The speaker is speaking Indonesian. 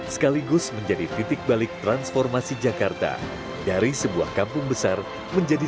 sekaligus menjadi titik balik transformasi jakarta dari sebuah kampung besar menjadi